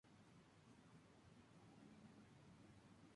Su pico es negro, mientras que las patas blanquecinas o de color rosado claro.